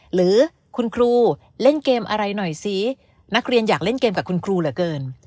หรือคุณครูเล่นเกมอะไรหน่อยสินักเรียนอยากเล่นเกมกับคุณครูเหลือเกิน